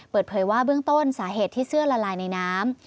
เปิดเผยว่าเบื้องต้นสาเหตุที่เสื้อละลายในน้ำ